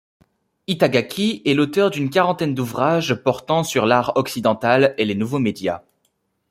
Itagaki est l’auteur d’une quarantaine d’ouvrages portant sur l’art occidental et les nouveaux médias.